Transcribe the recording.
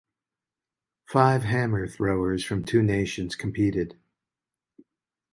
Five hammer throwers from two nations competed.